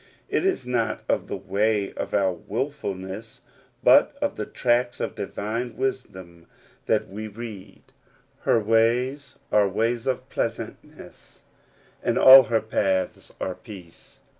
It is not of the way of our wilfulness, but of the tracks of divine wisdom that we read, "Her ways are ways of pleasantness, and all her paths are peace."